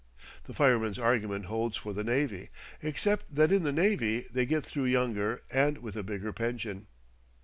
The fireman's argument holds for the navy, except that in the navy they get through younger and with a bigger pension.